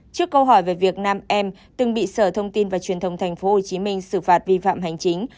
trước câu hỏi về việc nam em từng bị sở thông tin và truyền thông tp hcm xử phạt vi phạm hành chính